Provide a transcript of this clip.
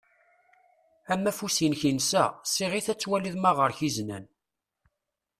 Amafus-inek insa. Siɣ-it ad twaliḍ ma ɣer-k izenan.